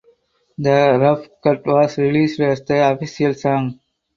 The rough cut was released as the official song.